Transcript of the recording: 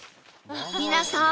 皆さん！